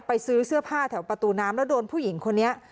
ซื้อเสื้อผ้าแถวประตูน้ำแล้วโดนผู้หญิงคนนี้